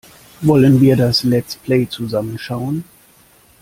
Wollen wir das Let's Play zusammen schauen?